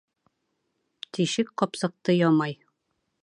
Тишек ҡапсыҡты ямай.